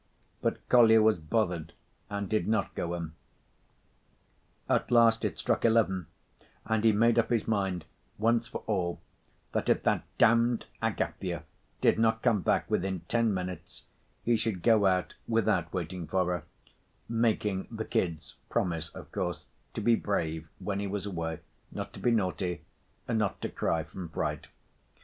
But Kolya was bothered and did not go in. At last it struck eleven and he made up his mind, once for all, that if that "damned" Agafya did not come back within ten minutes he should go out without waiting for her, making "the kids" promise, of course, to be brave when he was away, not to be naughty, not to cry from fright.